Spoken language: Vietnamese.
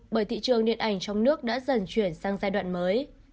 bởi thị trường điện ảnh trong nước đã dần chuyển sang giai đoạn mới